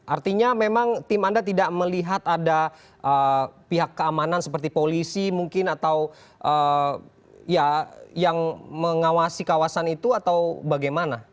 artinya memang tim anda tidak melihat ada pihak keamanan seperti polisi mungkin atau yang mengawasi kawasan itu atau bagaimana